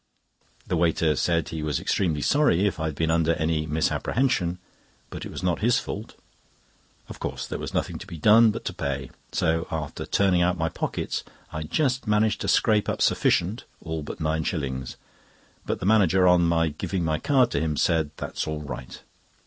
The waiter said he was extremely sorry if I had been under any misapprehension; but it was not his fault. Of course there was nothing to be done but to pay. So, after turning out my pockets, I just managed to scrape up sufficient, all but nine shillings; but the manager, on my giving my card to him, said: "That's all right."